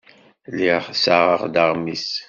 Lliɣ ssaɣeɣ-d aɣmis.